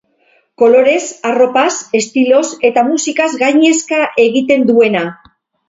Kolorez, arropaz, estiloz eta musikaz gainezka egiten duena.